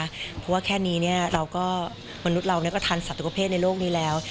เพราะว่าแค่นี้เราก็มนุษย์เราก็ทันศัตวเพศในโลกนี้แล้ว